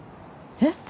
えっ？